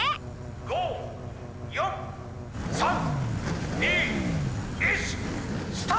「５４３２１スタート！」。